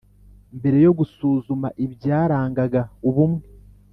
mbere yo gusuzuma ibyarangaga ubumwe